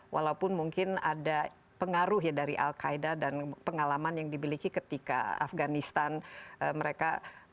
walaupun mungkin ada pengaruh ya dari al qaeda dan pengalaman yang dimiliki ketika afganistan mereka